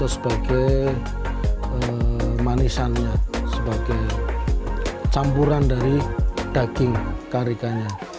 sebagai manisannya sebagai campuran dari daging karikanya